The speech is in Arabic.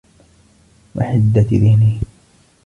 وَحِدَّةِ ذِهْنِهِ